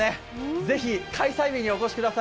ぜひ開催日にお越しください。